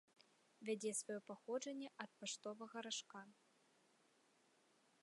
Вядзе сваё паходжанне ад паштовага ражка.